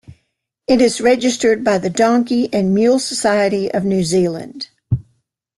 It is registered by the Donkey and Mule Society of New Zealand.